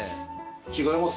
違います？